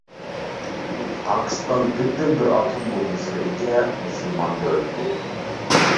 پاكىستان بىردىنبىر ئاتوم بومبىسىغا ئىگە مۇسۇلمان دۆلىتى .